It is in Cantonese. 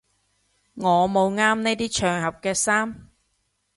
我冇啱呢啲場合嘅衫